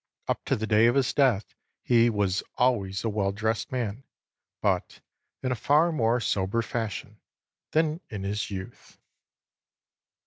Up to the day of his death he was always a well dressed man, but in a far more sober fashion than in his youth."